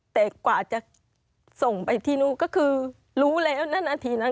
แต่กว่าจะส่งไปที่นู่นก็คือรู้แล้วนะนาทีนั้น